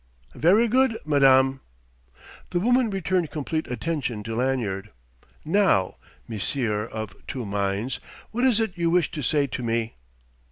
"Very good, madame." The woman returned complete attention to Lanyard. "Now, monsieur of two minds, what is it you wish to say to me?"